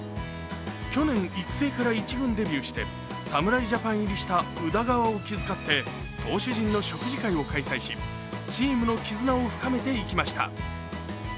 去年、育成から１軍デビューして侍ジャパン入りした宇田川を気遣って投手陣の食事会を開催し、チームの絆を深めていきました。